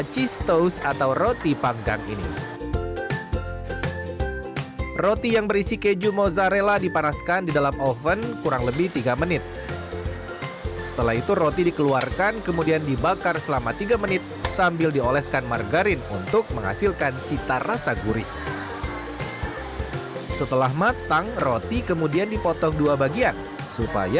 ketika dikonsumsi keju mozzarella saya sudah tidak sabar ingin mencicipi makanan yang diinginkan